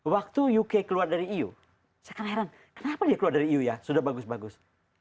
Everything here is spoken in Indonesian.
waktu uk keluar dari eu saya akan heran kenapa dia keluar dari eu ya sudah bagus bagus